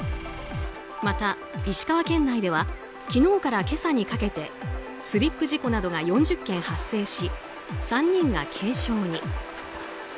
また、石川県内では昨日から今朝にかけてスリップ事故などが４０件発生し３人が軽傷に。